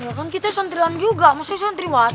ya kan kita santriwan juga maksudnya santriwat